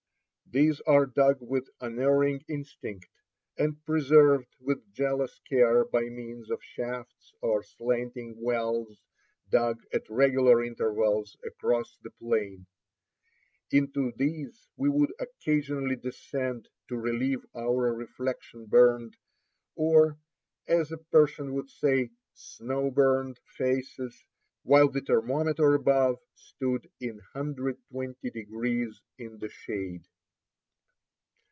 These are dug with unerring instinct, and preserved with jealous care by means of shafts or slanting wells dug at regular intervals across the plain. Into these we would occasionally descend to relieve our reflection burned — or, as a Persian would say, "snow burned" — faces, while the thermometer above stood at 120° in the shade.